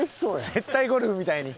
接待ゴルフみたいに。